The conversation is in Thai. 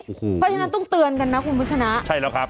เพราะฉะนั้นต้องเตือนกันนะคุณผู้ชมใช่แล้วครับ